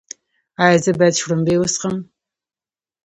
ایا زه باید شړومبې وڅښم؟